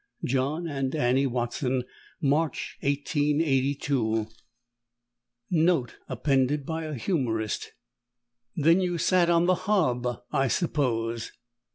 John and Annie Watson, March, 1882._ Note appended by a humorist: _Then you sat on the hob, I suppose.